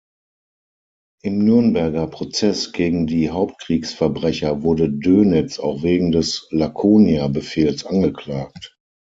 Im Nürnberger Prozess gegen die Hauptkriegsverbrecher wurde Dönitz auch wegen des Laconia-Befehls angeklagt.